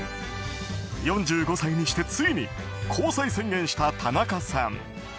４５歳にしてついに交際宣言した田中さん。